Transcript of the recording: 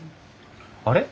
あれ？